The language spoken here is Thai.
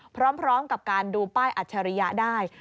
พร้อมกับการดูป้ายอัจฉริยะได้